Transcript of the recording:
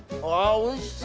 おいしい？